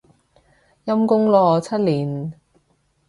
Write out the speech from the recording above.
陰功咯，七年